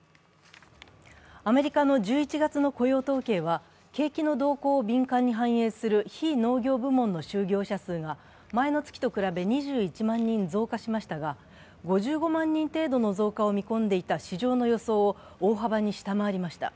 アメリカの１１月の雇用統計は、景気の動向を敏感に反映する非農業部門の就業者数が前の月と比べ２１万人増加しましたが、５５万人程度の増加を見込んでいた市場の予想を大幅に下回りました。